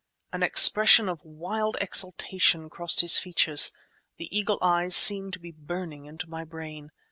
An expression of wild exultation crossed his features; the eagle eyes seemed to be burning into my brain.